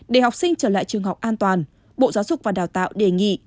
để học sinh trở lại trường học an toàn bộ giáo dục và đào tạo đề nghị